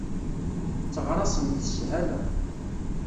Tetteɣraṣemt s shala.